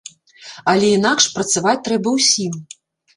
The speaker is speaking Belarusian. Але інакш працаваць трэба ўсім.